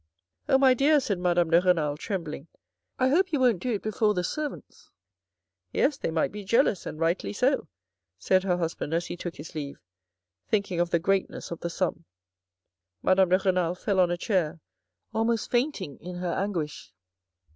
" Oh, my dear," said Madame De Renal trembling, " I hope you won't do it before the servants !"" Yes, they might be jealous and rightly so," said hei husband as he took his leave, thinking of the greatness ot the sum. Madame de Renal fell on a chair almost fainting in her anguish.